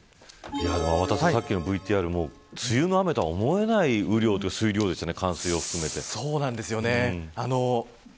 天達さん、さっきのＶＴＲも梅雨前とは思えない雨量と水量ですよね。